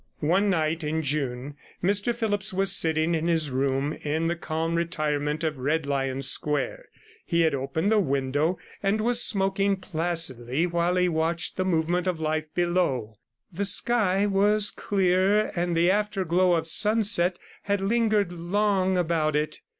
One night in June Mr Phillipps was sitting in his room in the calm retirement of Red Lion Square. He had opened the window, and was smoking placidly, while he watched the movement of life below. The sky was clear, and the afterglow of sunset had lingered long about it.